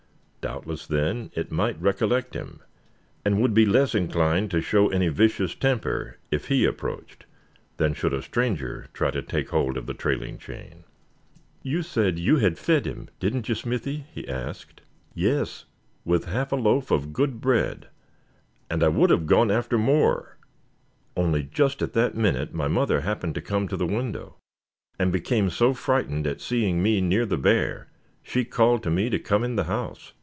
Doubtless, then, it might recollect him, and would be less inclined to show any vicious temper if he approached, than should a stranger try to take hold of the trailing chain. "You said you had fed him, didn't you, Smithy?" he asked. "Yes, with half a loaf of good bread; and I would have gone after more only just at that minute my mother happened to come to the window, and became so frightened at seeing me near the bear, she called to me to come in the house.